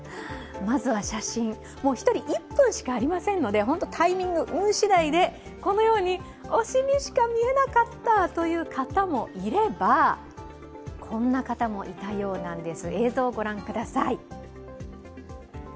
まずは写真、１人１分しかありませんので本当、タイミング、運しだいで、このようにお尻しか見えなかったという方もいればこんな方もいたようなんです、映像を御覧ください。